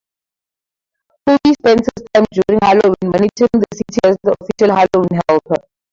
Hubie spends his time during Halloween monitoring the city as the official Halloween Helper.